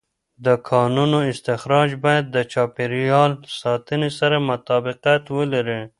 د کانونو استخراج باید د چاپېر یال ساتنې سره مطابقت ولري.